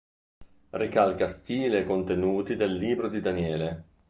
Ricalca stile e contenuti del Libro di Daniele.